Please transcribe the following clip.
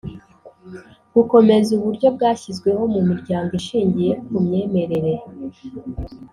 Gukomeza uburyo bwashyizweho mu Miryango Ishingiye ku Myemerere